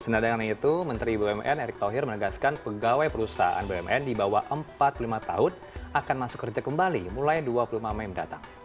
senada dengan itu menteri bumn erick thohir menegaskan pegawai perusahaan bumn di bawah empat puluh lima tahun akan masuk kerja kembali mulai dua puluh lima mei mendatang